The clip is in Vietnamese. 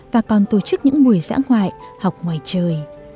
và còn tổ chức những buổi dã ngoại học ngoài trời